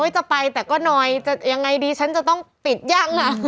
จะไปแต่ก็น้อยจะยังไงดีฉันจะต้องปิดยังล่ะ